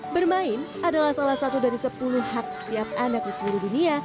bermain adalah salah satu dari sepuluh hak setiap anak di seluruh dunia